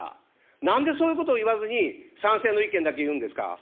なんでそういうことを言わずに、賛成の意見だけ言うんですか。